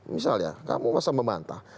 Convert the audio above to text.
misalnya kamu masa memantah